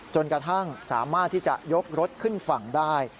จนกระทั่งสามารถที่จะยกรถขึ้นฝั่งได้